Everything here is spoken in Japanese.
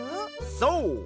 そう！